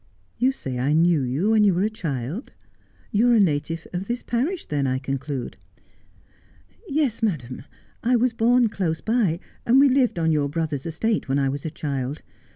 ' You say I knew you when you were a child ; you are a native of this parish then, I conclude ?'' Yes, madam, I was born close by, and we lived on your brother's estate when I was a child.